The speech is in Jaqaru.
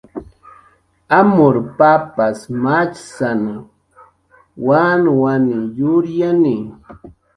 Amur papas machsana, wanwaniw yuryani.